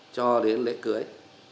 cho đến lễ cưới